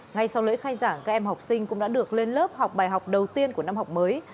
ngay sau lễ khai giảng các em học sinh cũng đã được lên lớp học bài học đầu tiên của năm học mới